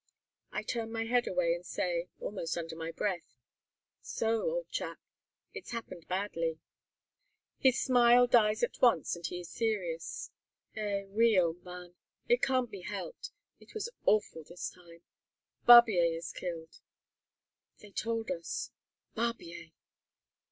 I turn my head away and say, almost under my breath, "So, old chap, it's happened badly." His smile dies at once, and he is serious: "Eh, oui, old man; it can't be helped; it was awful this time. Barbier is killed." "They told us Barbier!"